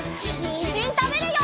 にんじんたべるよ！